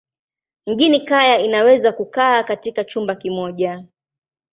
Mjini kaya inaweza kukaa katika chumba kimoja.